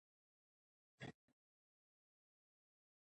هغه ځوانان چې له ښوونکو او مشاورینو لارښوونه ترلاسه کړي، ناسمې لارې نه تعقیبوي.